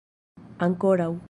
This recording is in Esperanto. ankoraŭ